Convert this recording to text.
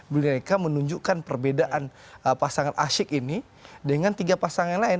mereka menunjukkan perbedaan pasangan asyik ini dengan tiga pasangan lain